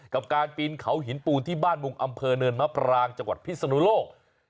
กับการปีนเขาหินปูนที่บ้านมุงอำเภอเนินมะปรางจังหวัดพิศนุโลก